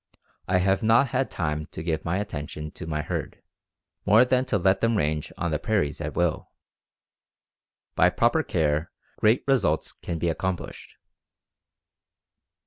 I have not had time to give my attention to my herd, more than to let them range on the prairies at will. By proper care great results can be accomplished."